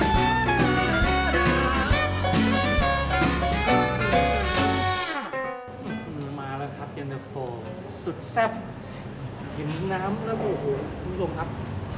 เห็นน้ำแล้วโอ้โหลงครับ